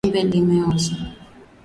Embe limeoza